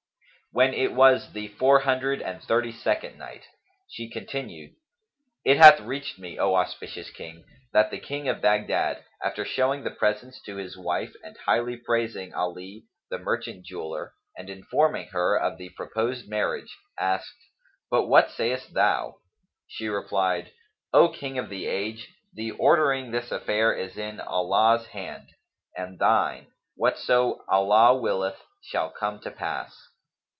When it was the Four Hundred and Thirty second Night, She continued, It hath reached me, O auspicious King, that the King of Baghdad, after showing the presents to his wife and highly praising Ali, the merchant jeweller, and informing her of the proposed marriage, asked, "But what sayst thou?" She replied, "O King of the age, the ordering this affair is in Allah's hand, and thine, and whatso Allah willeth shall come to pass."